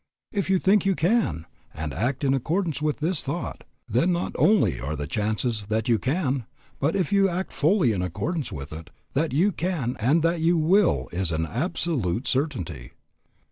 If you think you can, and act in accordance with this thought, then not only are the chances that you can, but if you act fully in accordance with it, that you can and that you will is an absolute certainty.